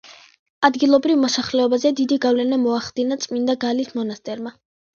ადგილობრივ მოსახლეობაზე დიდი გავლენა მოახდინა წმინდა გალის მონასტერმა.